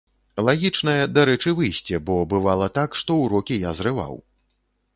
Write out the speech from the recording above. Лагічнае, дарэчы, выйсце, бо бывала так, што ўрокі я зрываў.